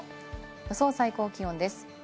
予想最高気温です。